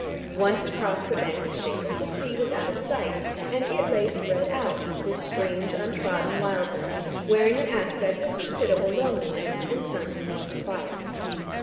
Once across the bank of shingle the sea was out of sight, and it lay spread out, this strange untrodden wildness, wearing an aspect of hospitable loneliness, and sun steeped quiet.